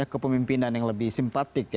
kepemimpinan yang lebih simpatik